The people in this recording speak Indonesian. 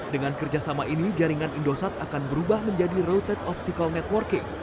dengan kerjasama ini jaringan indosat akan berubah menjadi routed optical networking